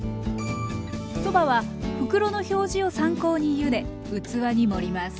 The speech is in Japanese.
そばは袋の表示を参考にゆで器に盛ります。